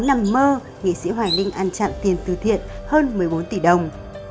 nằm mơ nghị sĩ hoài linh ăn chặn tiền từ thiện hơn một mươi bốn tỷ đồng